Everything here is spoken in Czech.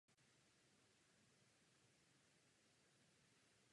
Tento nový nástroj skutečně potřebujeme.